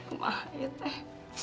umah saya teh